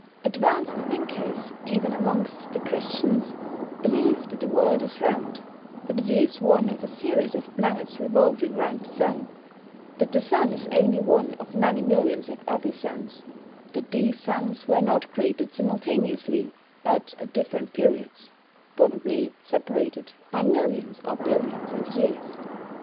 Advanced thinkers, even amongst the Christians, believe that the world is round, that it is one of a series of planets revolving round the Sun, that the Sun is only one of many millions of other suns, that these suns were not created simultaneously, but at different periods, probably separated by millions or billions of years.